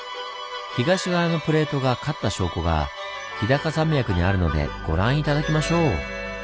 東側のプレートが勝った証拠が日高山脈にあるのでご覧頂きましょう！